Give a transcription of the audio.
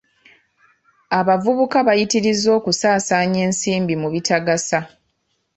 Abavubuka bayitirizza okusaasaanya ensimbi mu bitagasa.